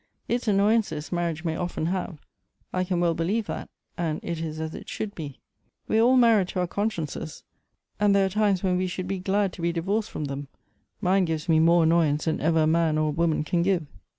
" Its annoyances marriage may often have ; I can well believe that, and it is as it should be. We are all mar ried to our consciences, and there are times when we should be glad to be divorced from them ; mine gives me more annoyance than ever a man or a woman can give."